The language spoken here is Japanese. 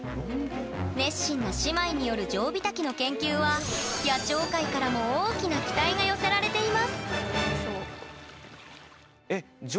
熱心な姉妹によるジョウビタキの研究は野鳥界からも大きな期待が寄せられています